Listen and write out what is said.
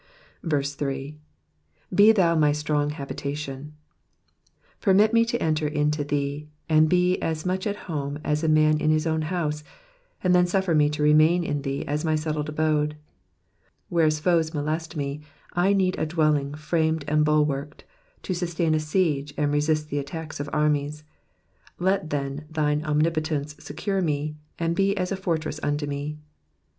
8. ^ ihim my strong habitation,'''' Permit me to enter into thee, and be ' Digitized by VjOOQIC PSALM THE SEVENTY FIRST. 295 as much at home as a man in his own house, and then suffer me to remain in thee as my settled abode. Whereas foes molest me, I need a dwelling framed and bulwarked, to sustain a siege and resist the attacks of armies ; let, then, thine omnipotence secure me. and be as a fortress unto me.